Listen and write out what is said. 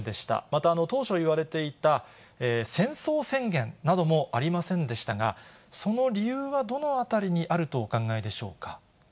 また当初いわれていた戦争宣言などもありませんでしたが、その理由はどのあたりにあるとお考えでしょうか。